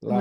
Let's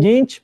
move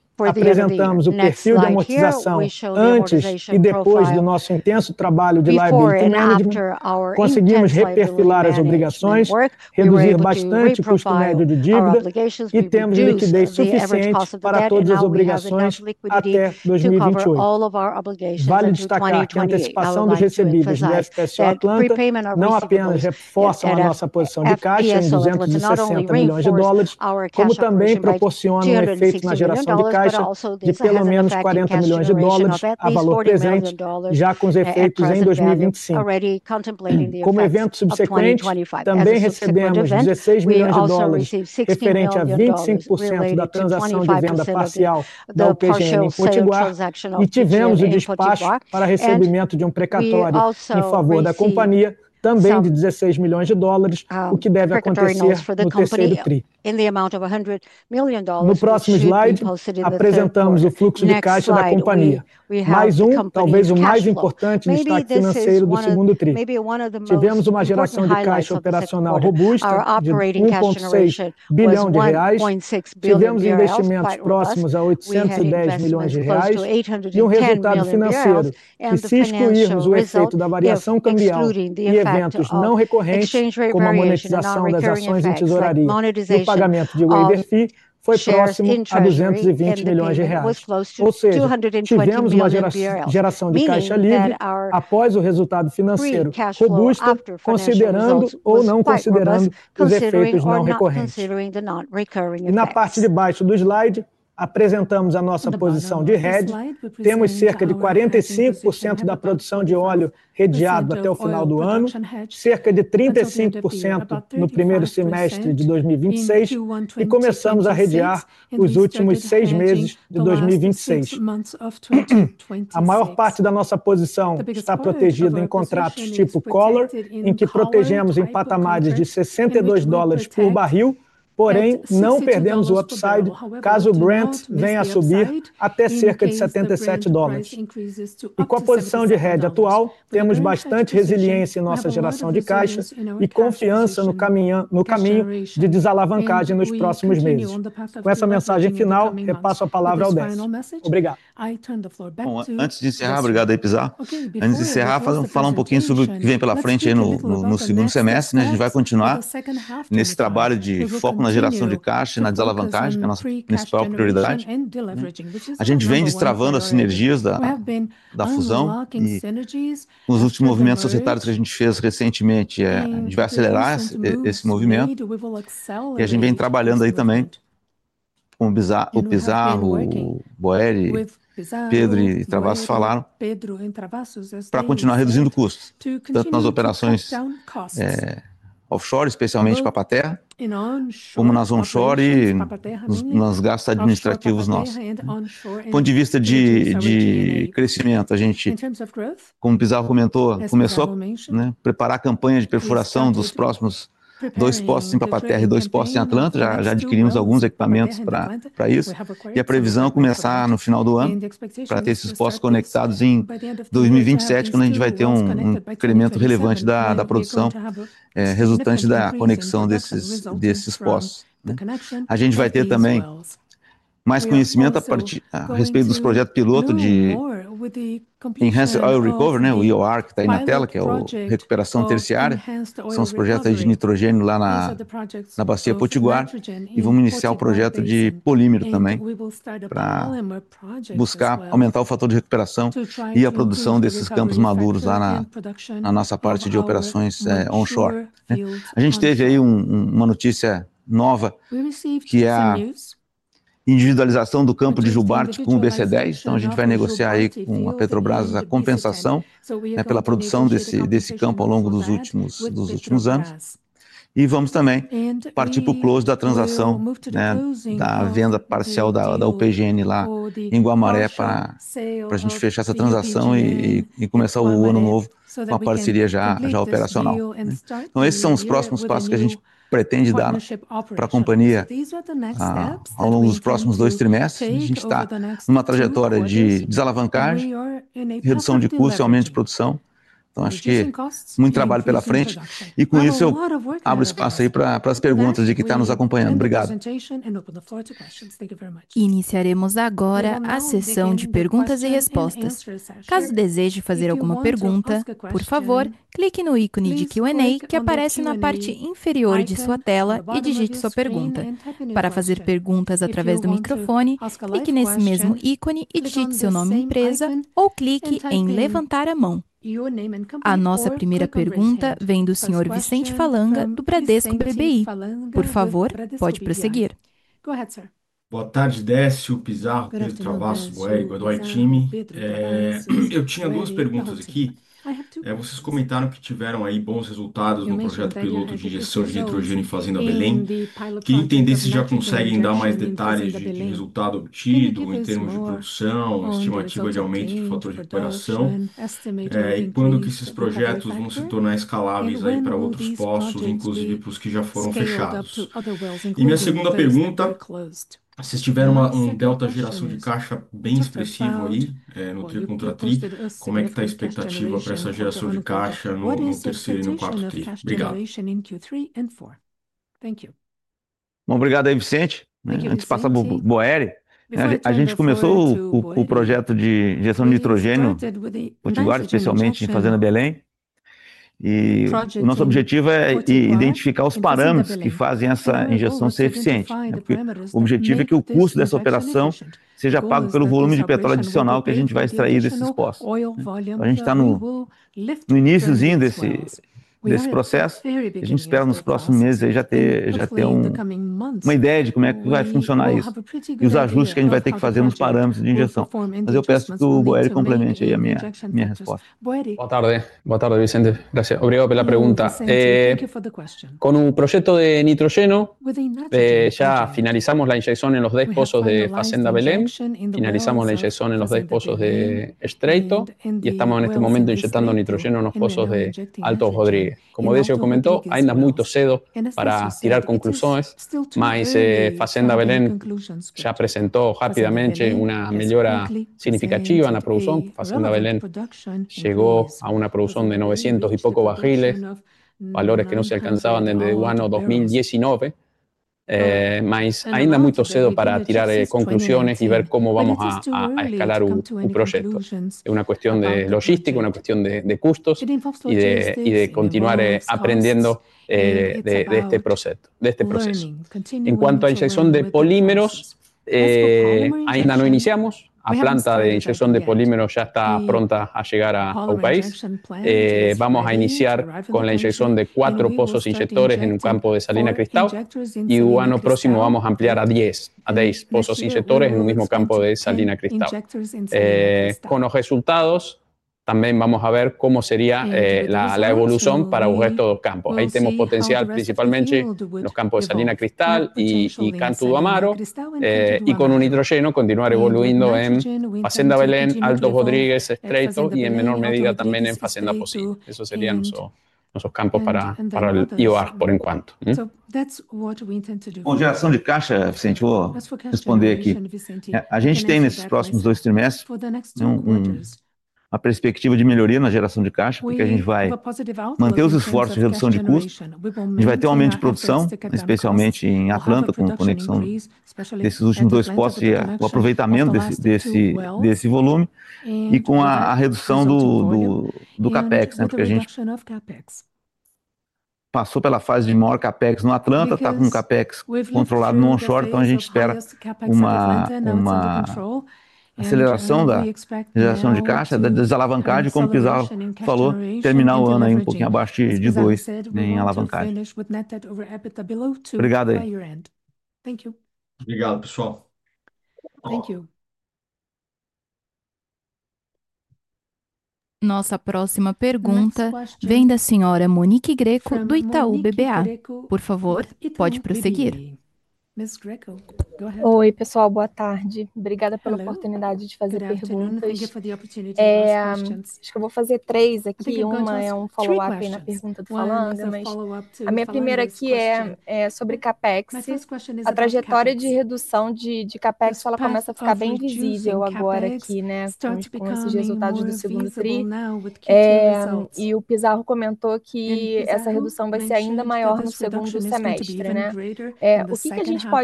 to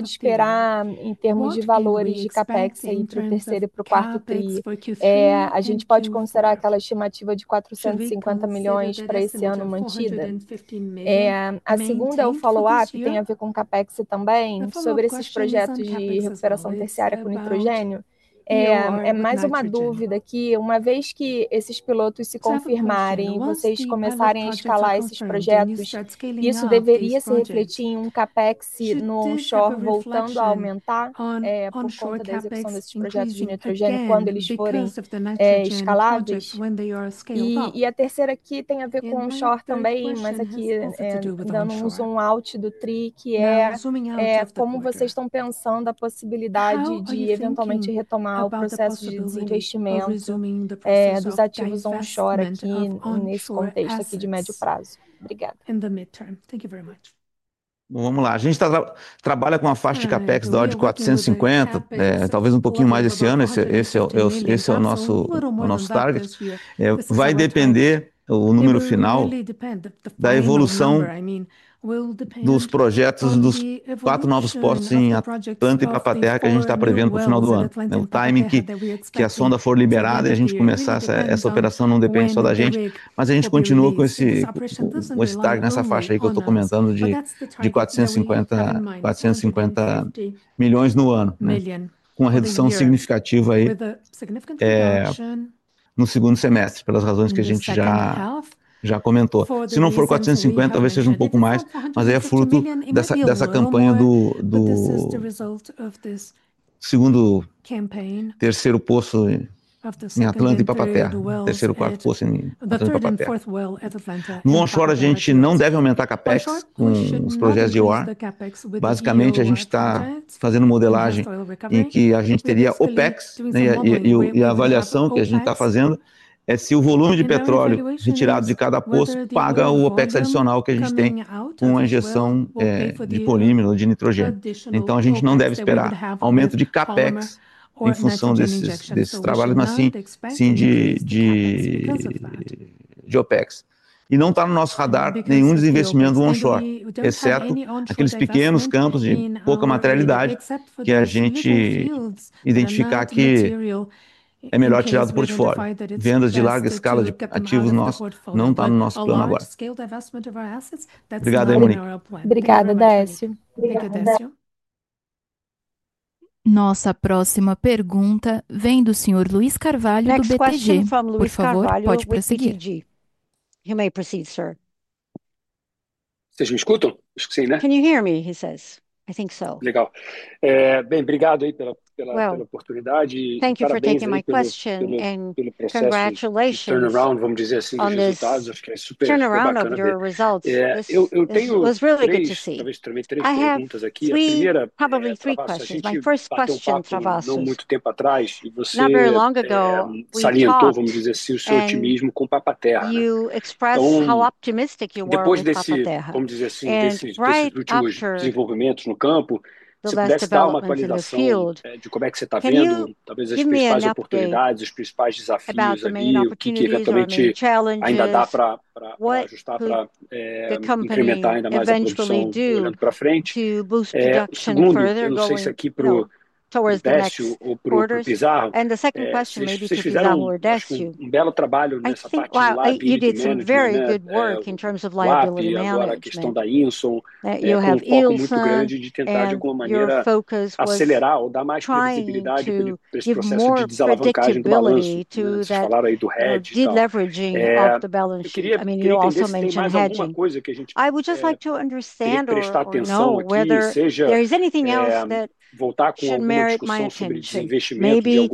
should merit my solution. Maybe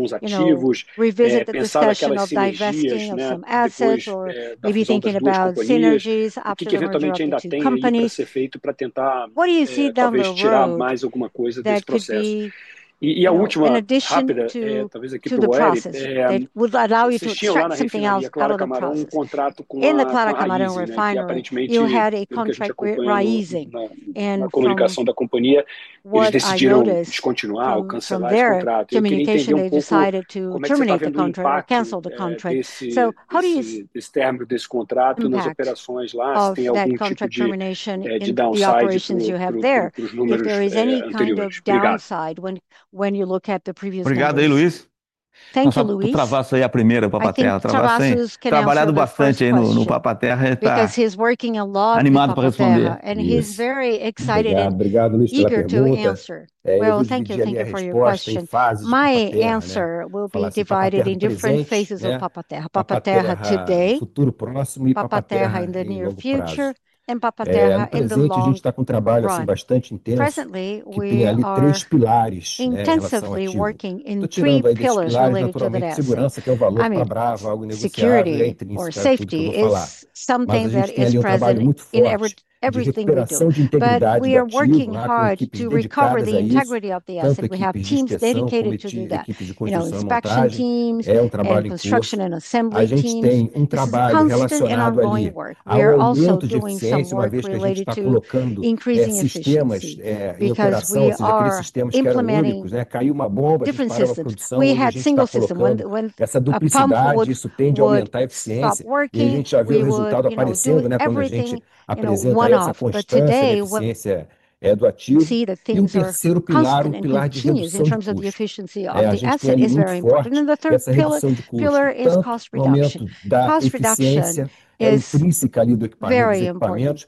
revisit the discussion of divesting of some assets or maybe thinking about synergies, opportunities, continue. What do you see down the road? That process. Noticed. Communication, decided to terminate the contract or cancel the contract. So how do you contract termination in the operations you have there. If there is any kind of downside when when you look at the previous Thank you, Luis. Because he's working a lot and he's very excited here to answer. Well, thank you. Thank you for your question. My answer will be divided in different phases of Papateja. Papateja today, Papateja in the near future, and Papatera in the long. Presently, we are intensively working in three pillars related to the death. Security or safety is something that is present in every everything we do. But we are working hard to recover the integrity of the asset. We have teams dedicated to do that. You know, teams, construction and assembly teams, constant ongoing work. We can still extract from this. Thank you for your question. I mean, I also have I want to add to three more points, but there is one recent thing we just renewed for future improvement in the next two, three years. Second question, Luis. But we still see further reduction opportunities. Thank you. And finally, referring to the contract with Raizi, Guamare. We are working well with positive results. We give you some more color about our bunker sales in Guamare. Thank you, Luis, for your question. As you said it yourself, we terminated our contract with Haiyi. So in the second quarter, everything is already then we already have then conducted by Bravo a very diversified range of clients. We have Caribbean premium is even more attractive in terms of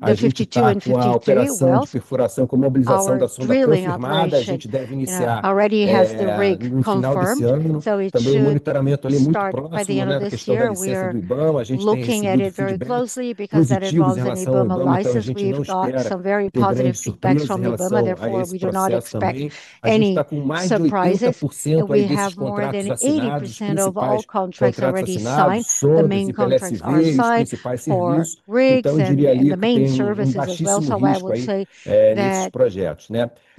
our product. So far, I don't have much more to say, but we're working diligently and seeing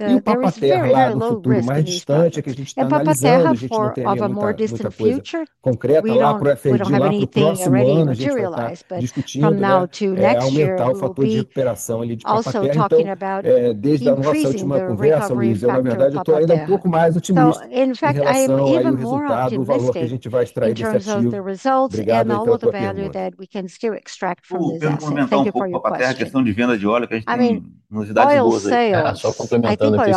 further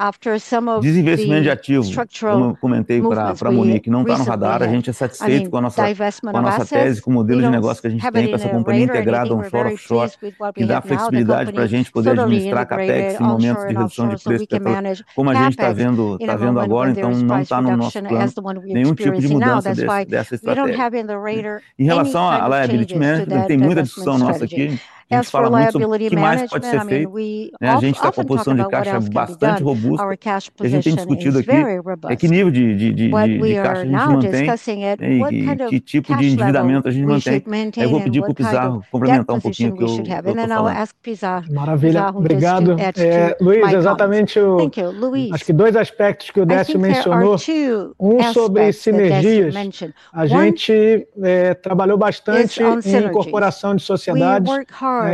opportunities. It's very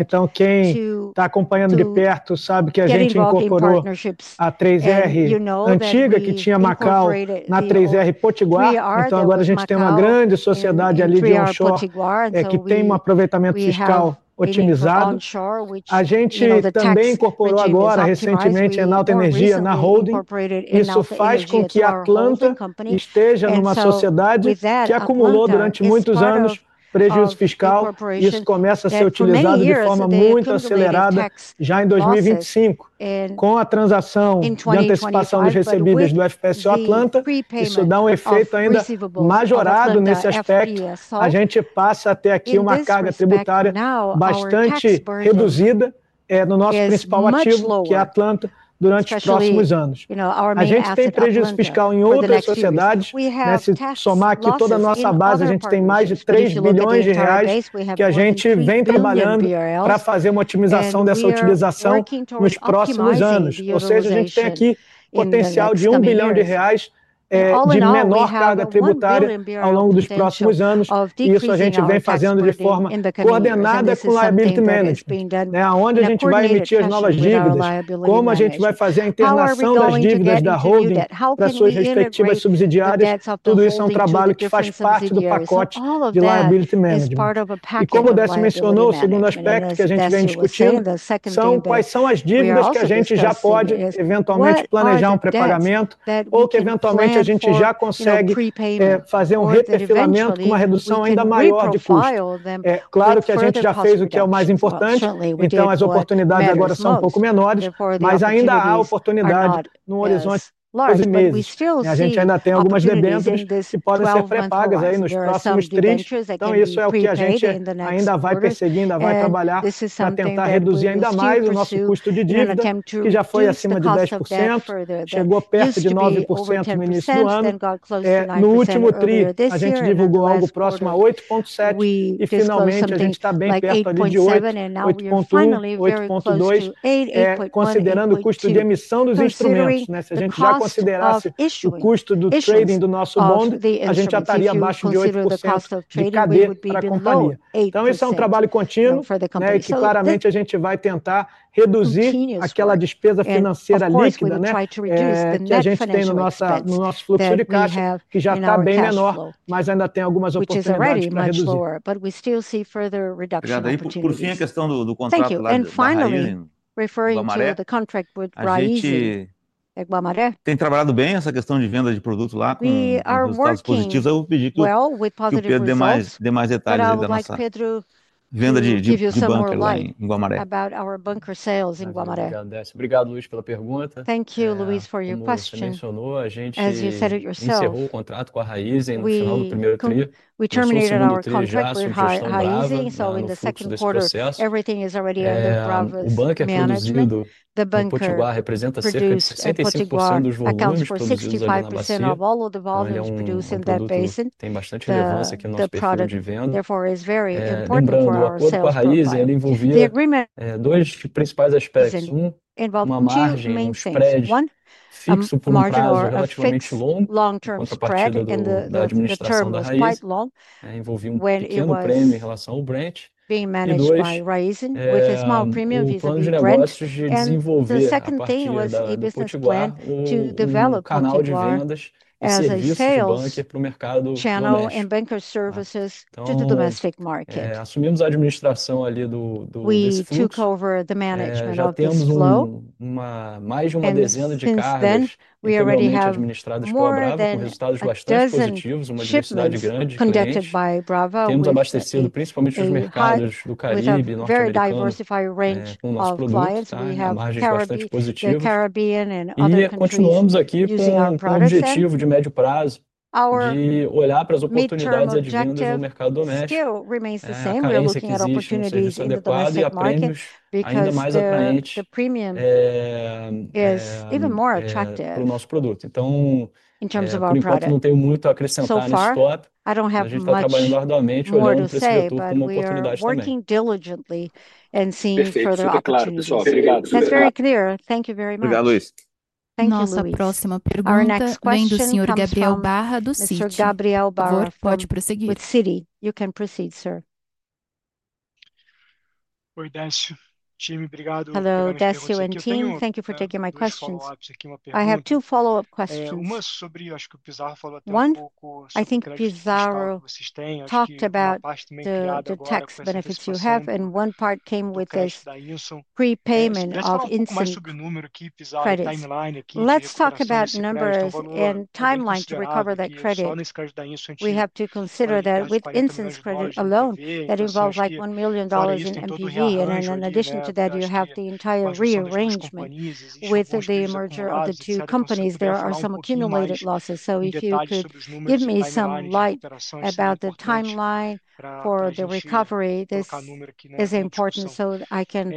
clear. Thank you very much. Thank you, Luis. Our next question is your Gabriel. Mister Gabriel Barre with Citi. You can proceed, sir. Hello, DCO and team. Thank you for taking my questions. I have two follow-up questions. One, I think Pizarro talked about the the tax benefits you have, and one part came with this prepayment of Insane. Let's talk about numbers and timeline to recover that credit. We have to consider that with instance credit alone, that involves like $1,000,000 in NPV. And in addition to that, you have the entire rearrangement with the merger of the two companies. There are some accumulated losses. So if you could give me some light about the timeline for the recovery, this is important so I can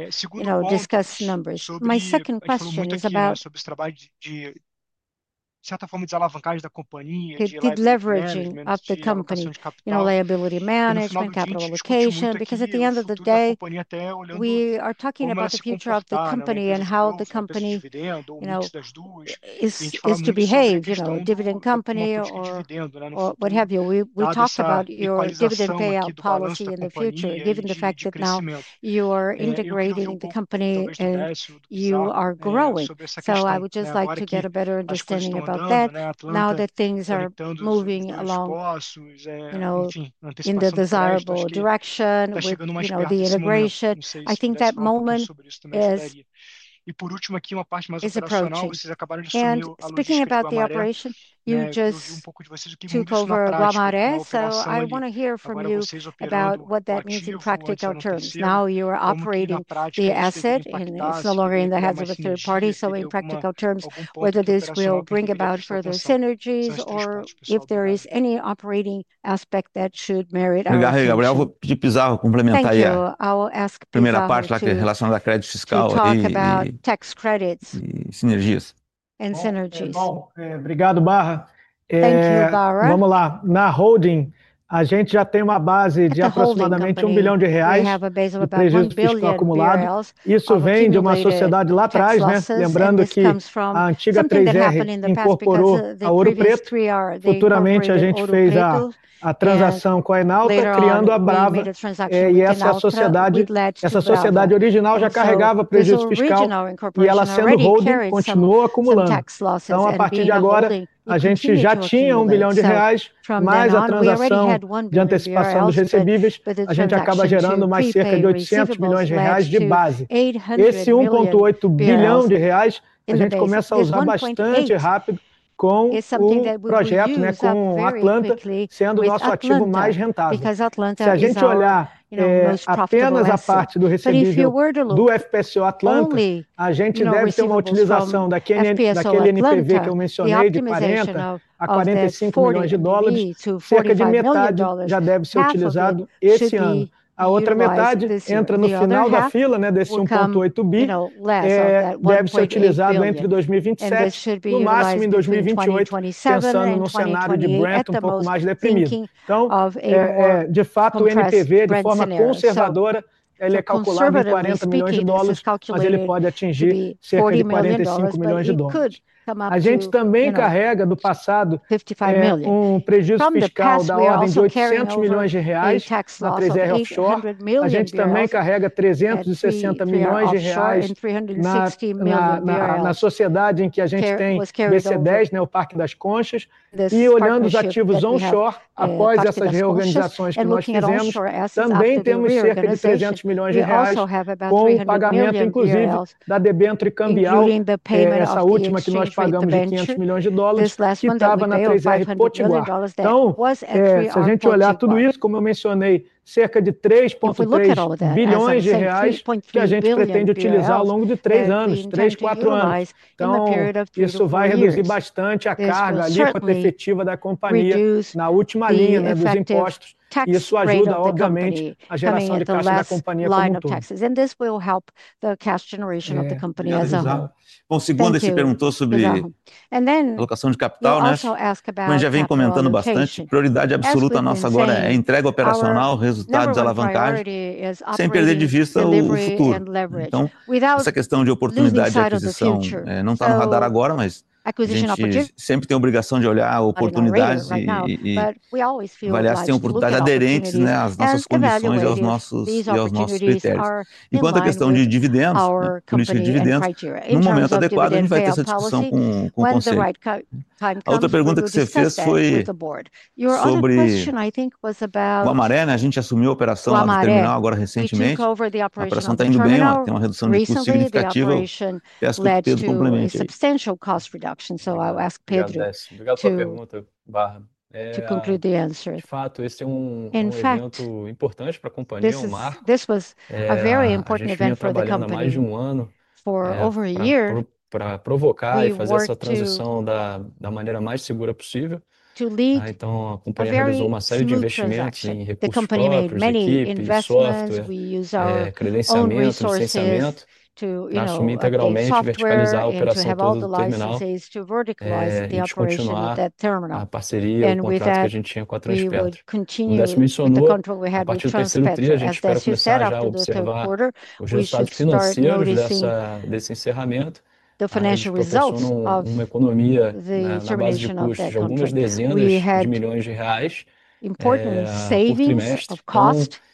discuss numbers. My second question is about deleveraging of the company, you know, liability management, capital allocation. Because at the end of the day, we are talking about the future of the company and how the company, you know, is to behave, you know, dividend company or or what have you. We we talked about your dividend payout policy in the future given the fact that now you are integrating the company and you are growing. So I would just like to get a better understanding about that. Now that things are moving along, you know, in the desirable direction with, you know, the integration, I think that moment is is approached. And speaking about the operation, you just took over Guamare. So I wanna hear from you about what that means in practical terms. Now you are operating the asset, and it's no longer in the hands of a third party. So in practical terms, whether this will bring about further synergies or if there is any operating aspect that should merit our I will ask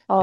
line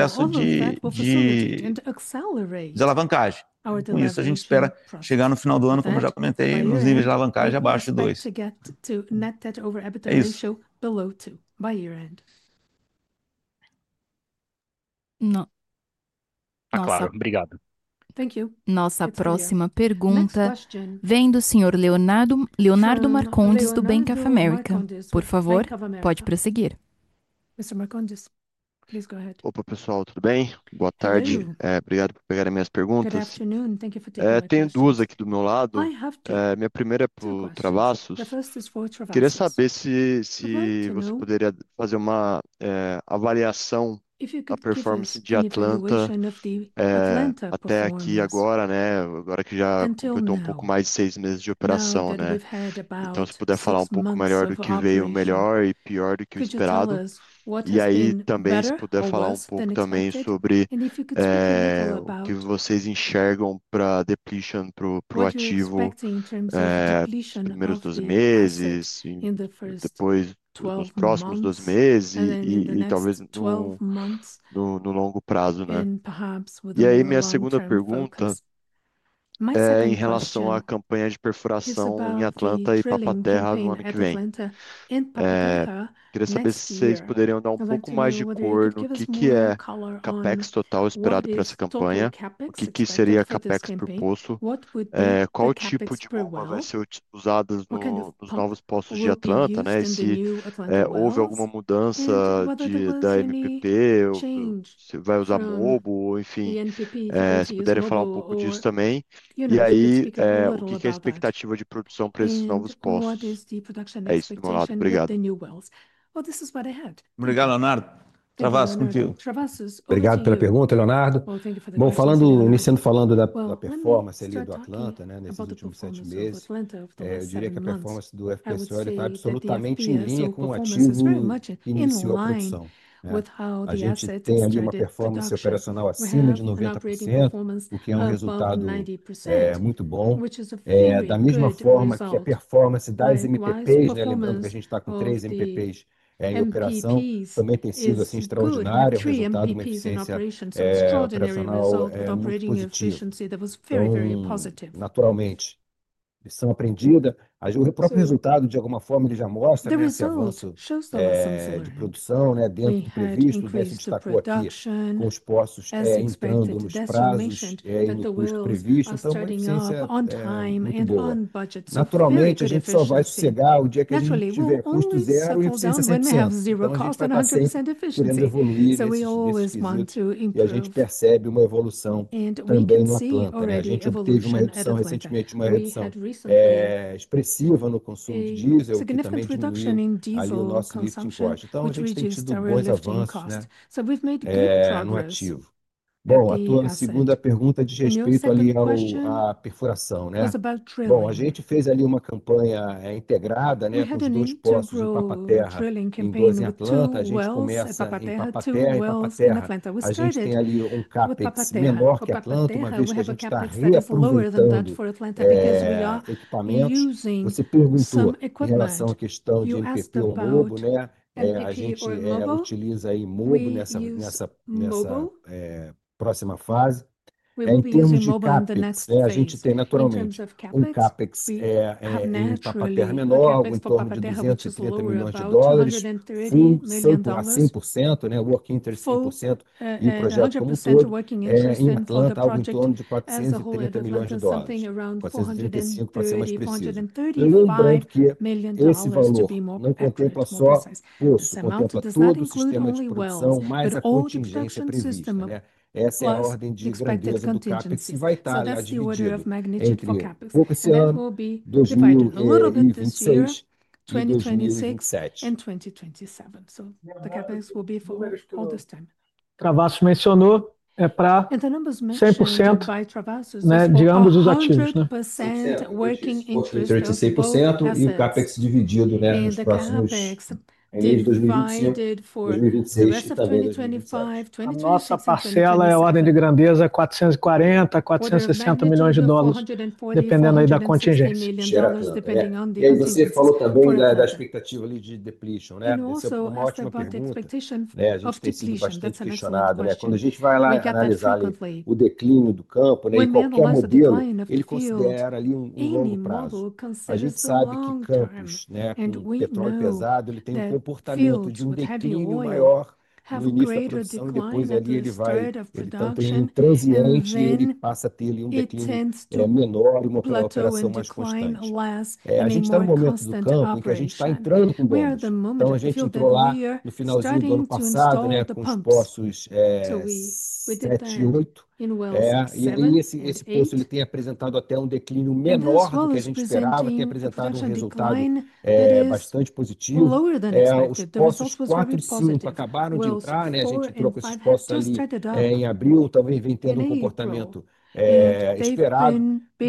of taxes. And this will help the cash generation of the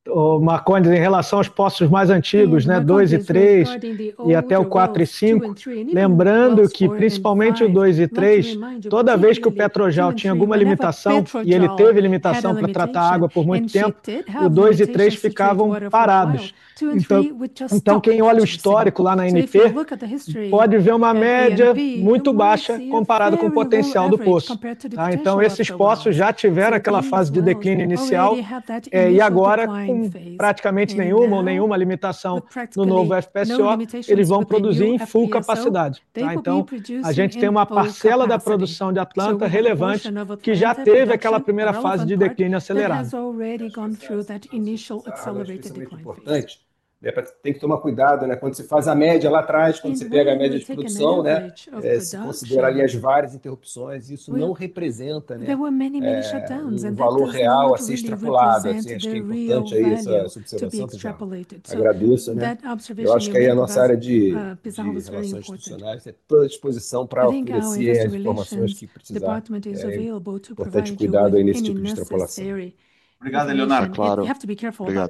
company as a whole. And then also ask about delivery and leverage. Operation recently, the operation led to a substantial cost reduction. So I'll ask Pedro to conclude the answer. In fact this was a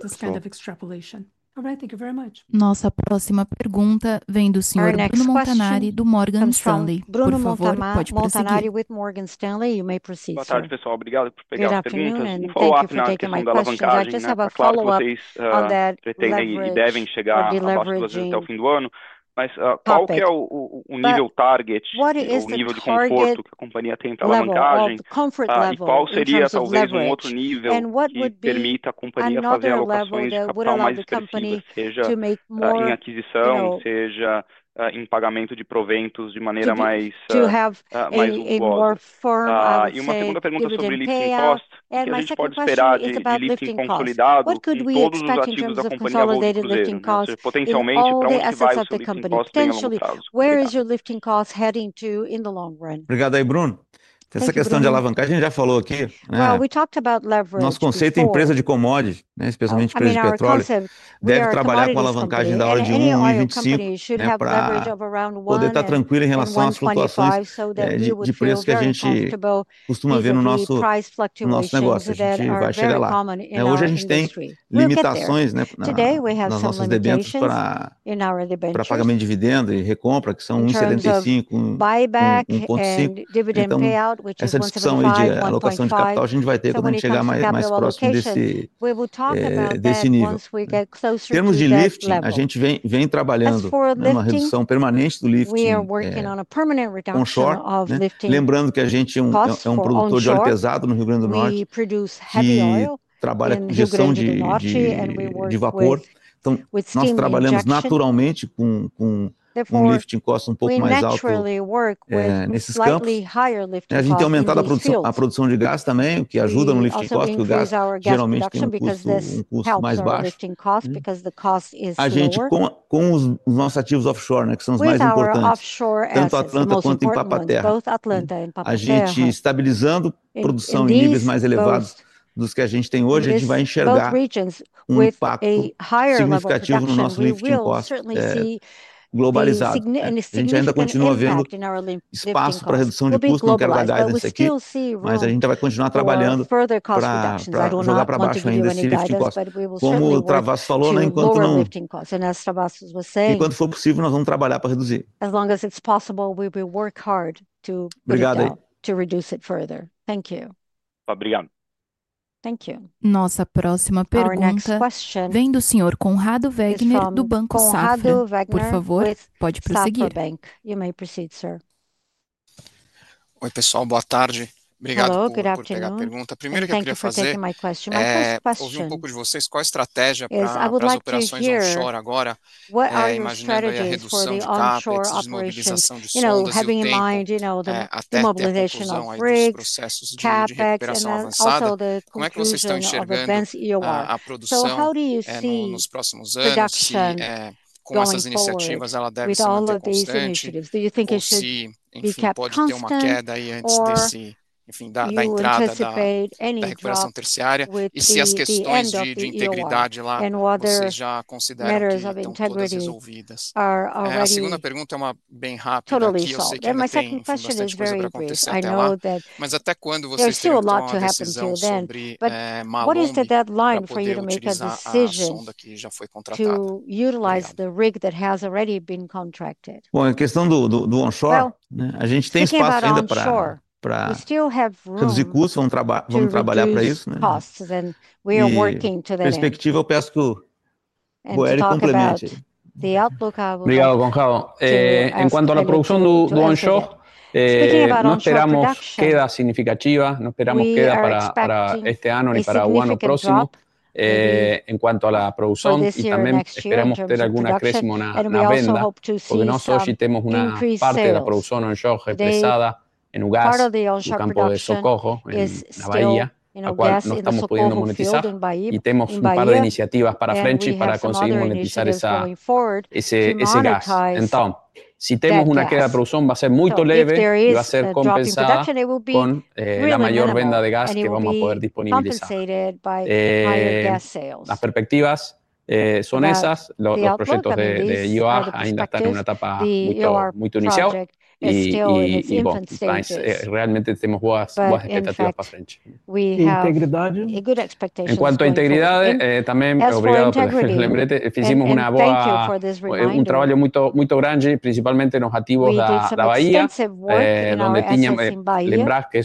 very important event for the company for over a year. We of cost of Yeah. Of millions of reais. The results will be, disclosed later on. Thank you. Very clear. Thank you very much. Next question. Mister Vasconcelos, please. To get to net debt over EBITDA ratio below two by year end. No. Please go ahead. Terms of completion of the first very, very positive. We have to be careful about this kind of extrapolation. Alright. Thank you very much. Have could costs to the advice of the company? Potentially, where is your lifting cost heading to in the long run? Well, talked about leverage. We will talk about that once we get closer to the left. We are working on a permanent reduction of lifting. We produce heavy oil. We with We slightly higher lifting cost. Our gas production helps our lifting cost because the cost is as long as it's possible, we will work hard to to reduce it further. Thank you. Thank you. Our next question. You may proceed, sir. Hello. Good afternoon. You for taking my question. My first question is I would like to hear. What are your strategies for the offshore operations, Totally. My second question is very brief. I know that there's still a lot to happen till then. But what is the deadline for you to make a decision to utilize the rig that has already been contracted? We still have room costs, and we are working today. We are evaluating months, we will take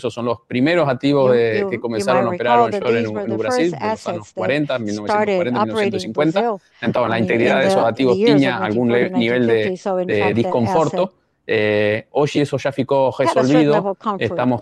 So we don't have anything for him yet. We don't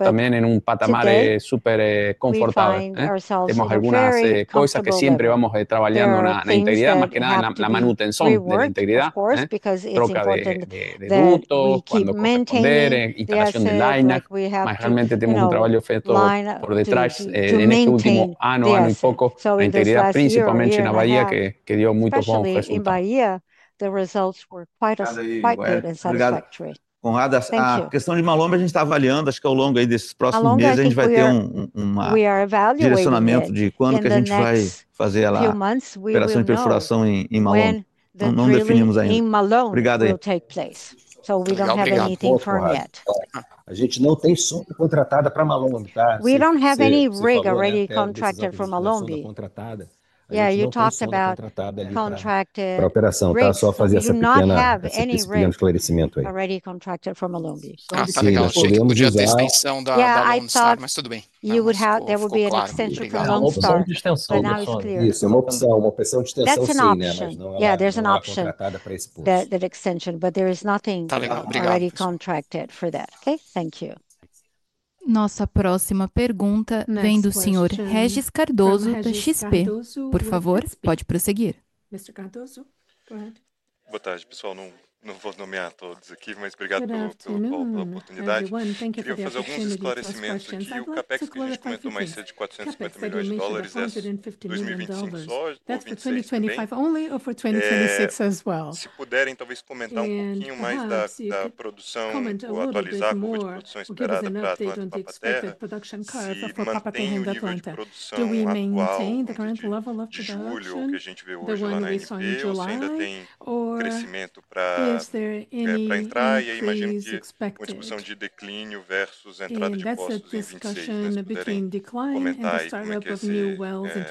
have any rig already contracted from Malombi. Yeah. You talked about contracted not have any rig already contracted from Malombi. You would have there would be an extension for Malombi. And now it's clear. That's not Yeah. There's an option. That that extension, but there is nothing already contracted for that. Okay? Thank you. Of the wells that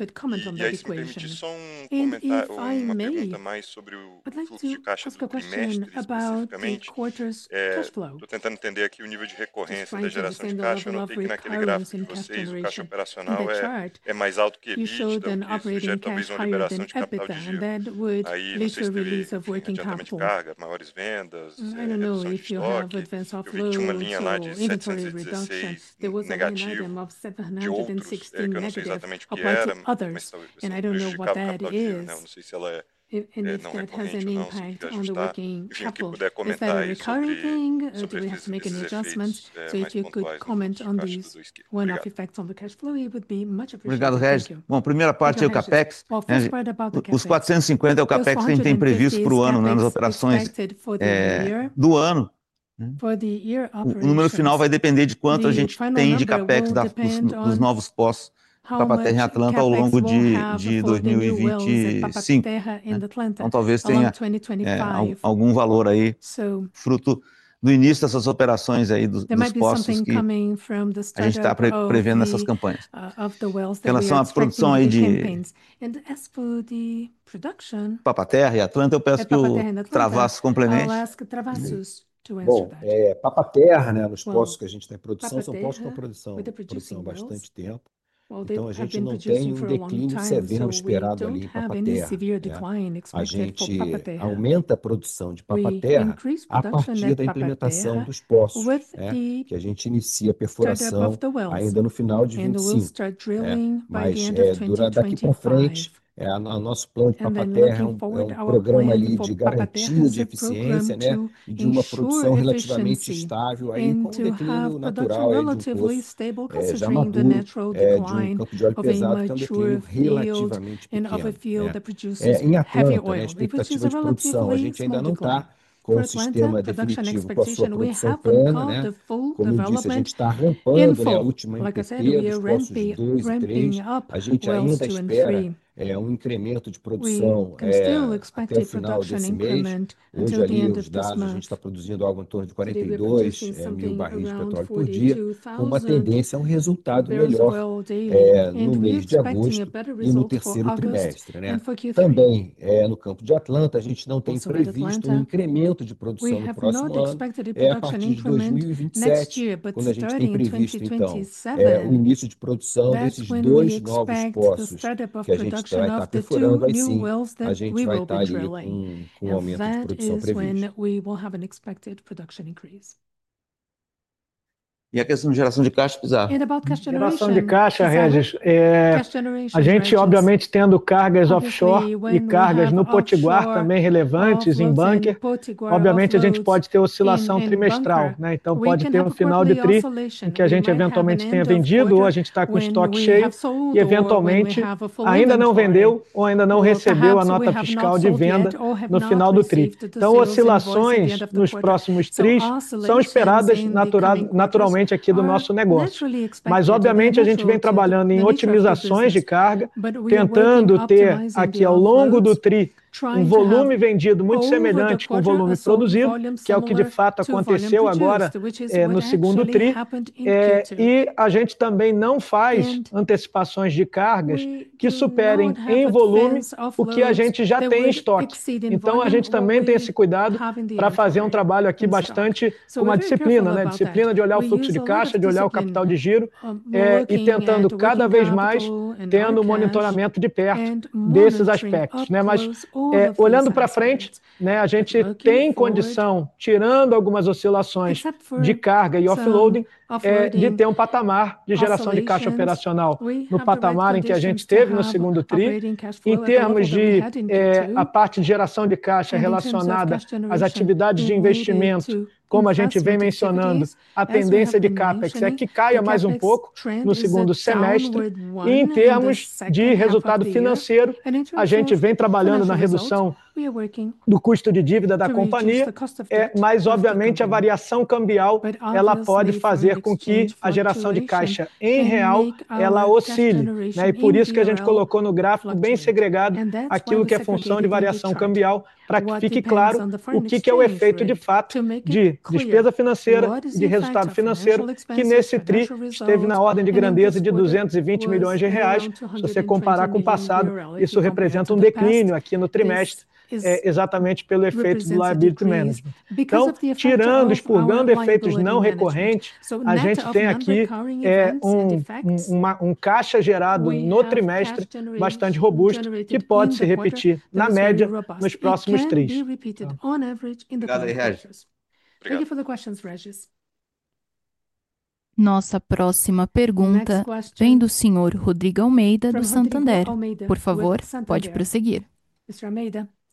have campaigns. And as for the production We will have an expected production increase. Ready for the questions, Regis. Mr. Amede,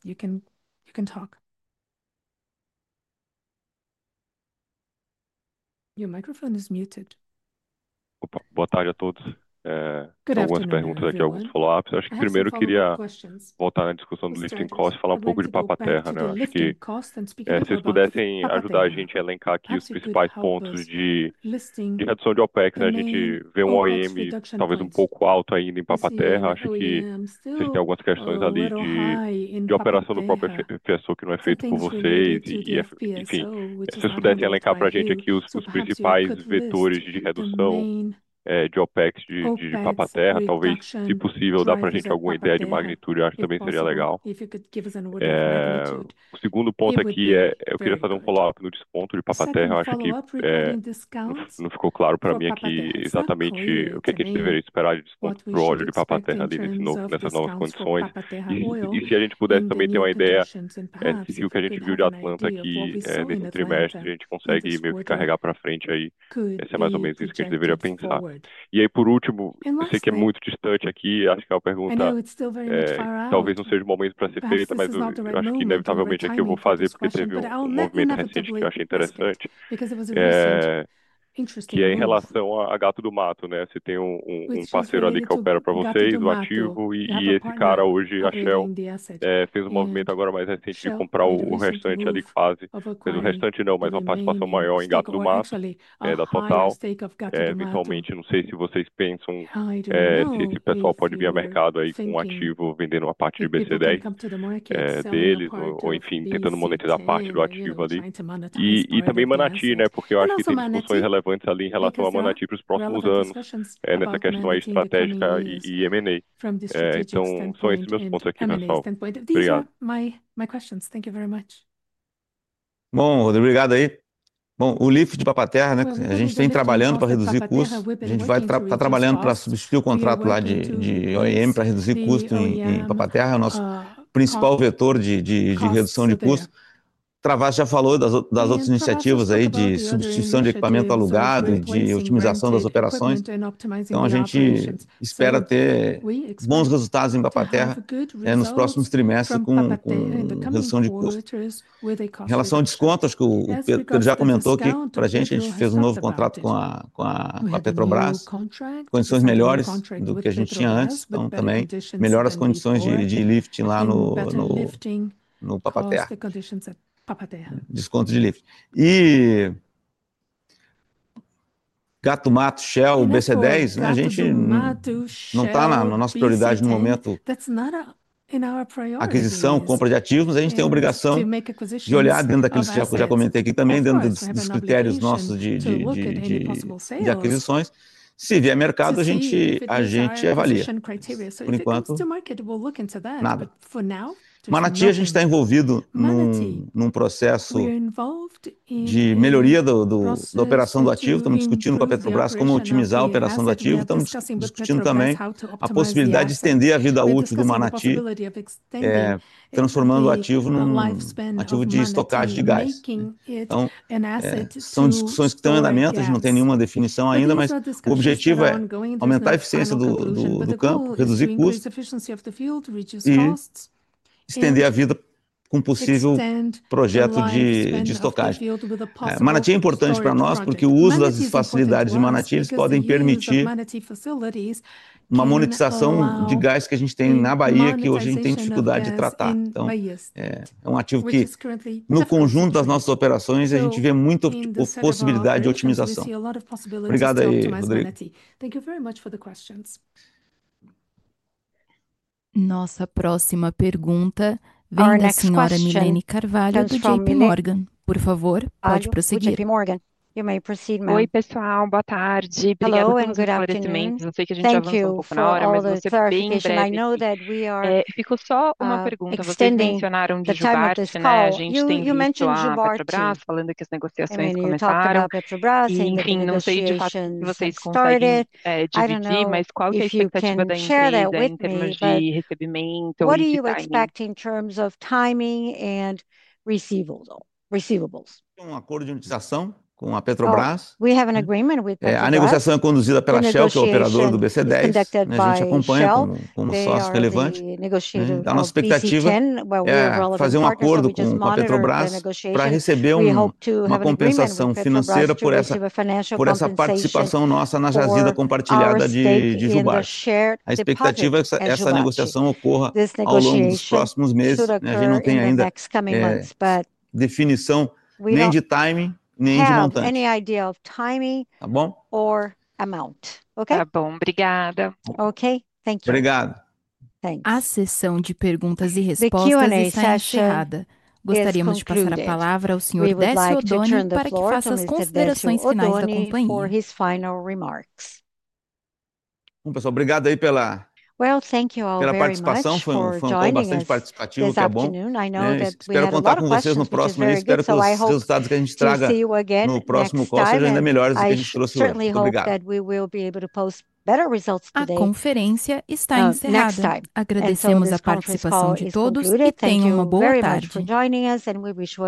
you can can talk. Your microphone is muted. My my questions. Thank you very much. JPMorgan. You may proceed, ma'am. Hello. Good afternoon. Thank you. I know that we are extending. You mentioned Jubar. Started. I don't Share that with me. What are you expecting in terms of timing and receivables? We have an agreement with negotiation in the next coming months. But We timing. Any idea of timing or amount. Okay? Okay. Thank you. Thanks. We would like to join the for his final remarks. Well, thank you all very much for joining I know that we are very to see you again. Certainly hope that we will be able to post better results today. Next time. Thank you very much for joining us, and we wish you a